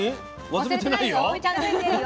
忘れてないよ。